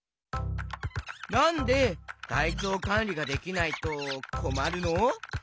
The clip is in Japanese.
なんでたいちょうかんりができないとこまるの？